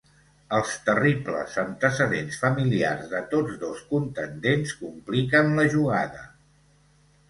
Els terribles antecedents familiars de tots dos contendents compliquen la jugada.